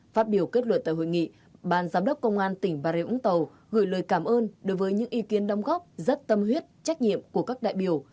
phát biểu kết luật tại hội nghị bàn giám đốc công an tỉnh bà rê úng tàu gửi lời cảm ơn đối với những ý kiến đồng góp rất tâm huyết trách nhiệm của các đại biểu